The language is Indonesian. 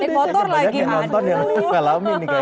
ini kotor lagi